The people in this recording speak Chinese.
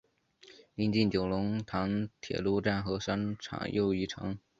邻近九龙塘铁路站和商场又一城。